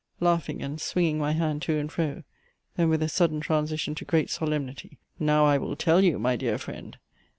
(laughing, and swinging my hand to and fro then with a sudden transition to great solemnity) Now I will tell you, my dear friend!